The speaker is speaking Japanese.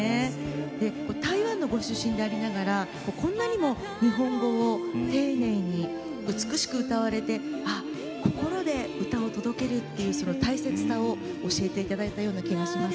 台湾のご出身ながら、こんなにも日本語を丁寧に美しく歌われて心で歌を届ける大切さを教えていただいた気がします。